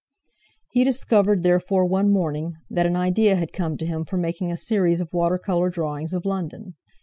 He discovered therefore one morning that an idea had come to him for making a series of watercolour drawings of London.